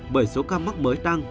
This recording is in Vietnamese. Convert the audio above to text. bởi số ca mắc mới tăng